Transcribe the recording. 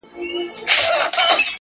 او په شاه ولي کوټ کي